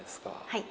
はい。